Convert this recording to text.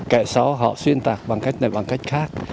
kẻ xấu họ xuyên tạc bằng cách này bằng cách khác